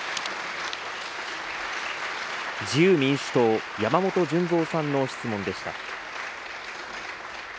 自由民主党、山本順三さんの質問でした。